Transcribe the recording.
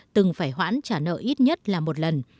bốn mươi bảy từng phải hoãn trả nợ ít nhất là một lần